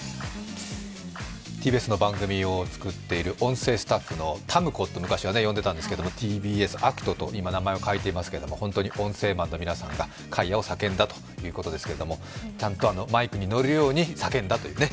ＴＢＳの番組を作っている音声スタッフのタムコと昔は呼んでたんですけどＴＢＳアクトと今、名前を変えていますけれども、本当に音声マンの人たちが叫んだということですが、ちゃんとマイクに乗るように叫んだというね。